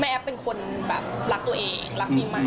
แอฟเป็นคนแบบรักตัวเองรักปีใหม่